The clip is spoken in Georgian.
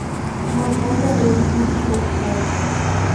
გამწვავდა რელიგიური შეუწყნარებლობა.